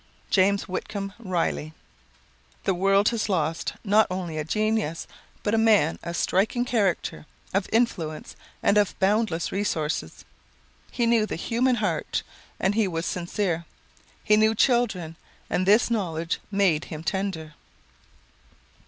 James Whitcomb Riley: "The world has lost not only a genius, but a man of striking character, of influence, and of boundless resources. He knew the human heart and he was sincere. He knew children, and this knowledge made him tender."